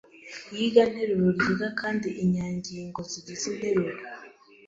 Iyiganteruro ryiga kandi inyangingo zigize interuro